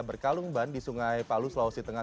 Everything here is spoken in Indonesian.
berkalungban di sungai palu sulawesi tengah